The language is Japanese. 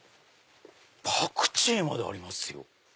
パクチーまでありますよ。